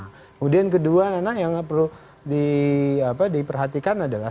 kemudian kedua memang yang perlu diperhatikan adalah